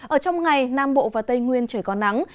ở trong ngày nam bộ và tây nguyên trời có nắng